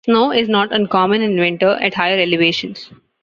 Snow is not uncommon in winter at higher elevations.